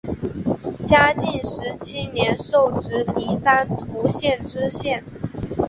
嘉靖十七年授直隶丹徒县知县。